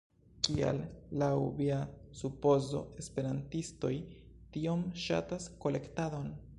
Kial, laŭ via supozo, esperantistoj tiom ŝatas kolektadon?